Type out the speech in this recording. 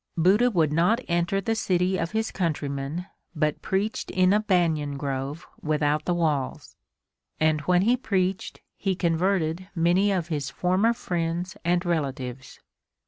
Buddha would not enter the city of his countrymen but preached in a banyan grove without the walls. And when he preached he converted many of his former friends and relatives.